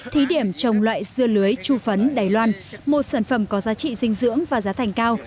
thí điểm trồng loại dưa lưới chu phấn đài loan một sản phẩm có giá trị dinh dưỡng và giá thành cao